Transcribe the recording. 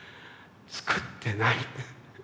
「作ってない」って。